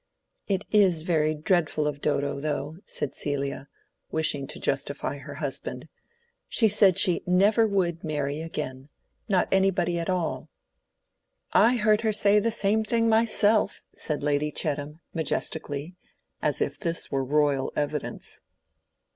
"It is very dreadful of Dodo, though," said Celia, wishing to justify her husband. "She said she never would marry again—not anybody at all." "I heard her say the same thing myself," said Lady Chettam, majestically, as if this were royal evidence.